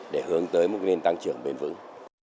để hướng tới một nền tăng trưởng bền vững